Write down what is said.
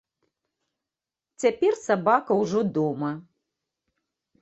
Цяпер сабака ўжо дома.